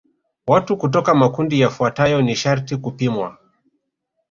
Watu kutoka makundi yafuatayo ni sharti kupimwa